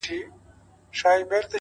ژمن انسان د خنډونو تر شا نه دریږي